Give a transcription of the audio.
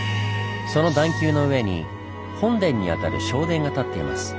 その段丘の上に本殿に当たる正殿が建っています。